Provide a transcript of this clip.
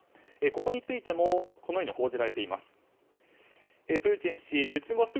ここについてもこのように報じられています。